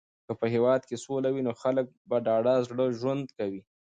که په هېواد کې سوله وي نو خلک په ډاډه زړه ژوند کوي.